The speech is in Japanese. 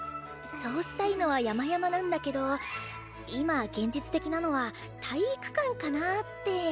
そうしたいのはやまやまなんだけど今現実的なのは体育館かなあって。